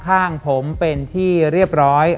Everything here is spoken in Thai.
ข้างผมเป็นที่เรียบร้อย